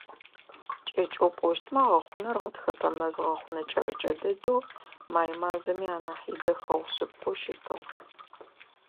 КӀэкӀэу пӀощтмэ, гъэхъунэр гъэтхэпэ мэз гъэхъунэ кӀэрэкӀэ дэдэу, май мазэми анахь идэхэгъу шъыпкъэу щытыгъ.